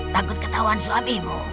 takut ketahuan suamimu